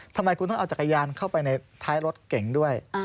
ทำไมคุณต้องเอาจักรยานเข้าไปในท้ายรถเก่งด้วย